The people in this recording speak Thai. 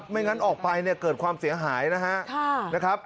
งั้นออกไปเนี่ยเกิดความเสียหายนะครับ